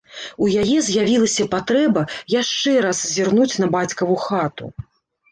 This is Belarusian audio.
У яе з'явілася патрэба яшчэ раз зірнуць на бацькаву хату.